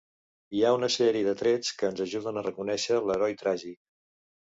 Hi ha una sèrie de trets que ens ajuden a reconèixer l'heroi tràgic.